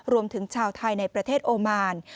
รวมถึงชาวไทยในประเทศโอมาน